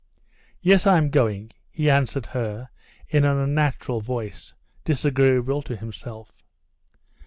"Yes, I'm going," he answered her in an unnatural voice, disagreeable to himself.